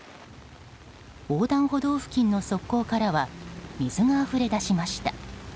横断歩道付近の側溝からは水があふれ出しました。